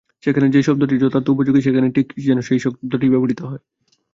যেখানে যে-শব্দটি যথার্থ উপযোগী, সেখানে যেন ঠিক সেই শব্দটি ব্যবহৃত হয়।